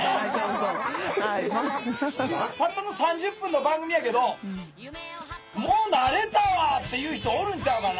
たったの３０分の番組やけどもう慣れたわっていう人おるんちゃうかな。